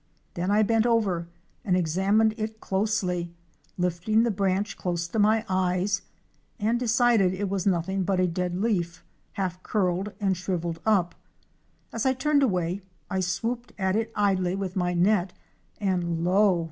Then I bent over and examined it closely, lifting the branch close to my eyes, and decided it was nothing but a dead leaf, half curled and shrivelled up. As I turned away I swooped at it idly with my net and lo!